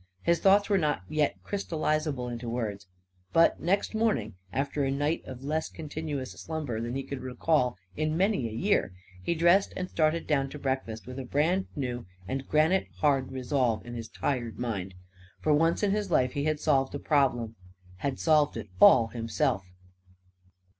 His thoughts were not yet crystallisable into words. But next morning, after a night of less continuous slumber than he could recall in many a year, he dressed and started down to breakfast with a brand new and granite hard resolve in his tired mind. For once in his life he had solved a problem had solved it all himself.